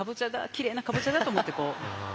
きれいなかぼちゃだと思ってこう見て。